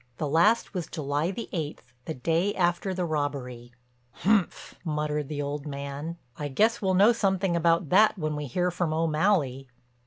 The last was July the eighth, the day after the robbery." "Umph!" muttered the old man. "I guess we'll know something about that when we hear from O'Malley."